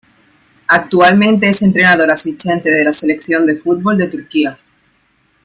Actualmente es entrenador asistente de la selección de fútbol de Turquía.